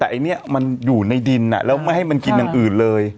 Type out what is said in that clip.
แต่ไอ้เนี่ยมันอยู่ในดินแล้วไม่ให้มันกินอย่างอื่นเลย